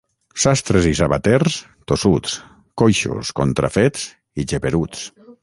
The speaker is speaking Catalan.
Sastres i sabaters, tossuts, coixos, contrafets i geperuts.